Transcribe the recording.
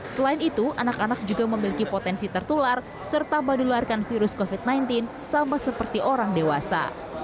selain itu anak anak juga memiliki potensi tertular serta menularkan virus covid sembilan belas sama seperti orang dewasa